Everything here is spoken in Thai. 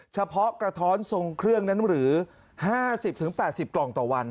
กระท้อนทรงเครื่องนั้นหรือ๕๐๘๐กล่องต่อวัน